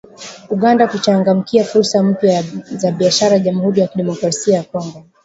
Uganda kuchangamkia fursa mpya za kibiashara Jamuhuri ya Demokrasia ya Kongo